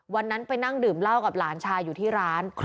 วันนั้นไปนั่งดื่มเหล้ากับหลานชายอยู่ที่ร้าน